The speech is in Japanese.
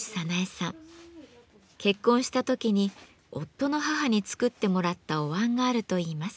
結婚した時に夫の母に作ってもらったお椀があるといいます。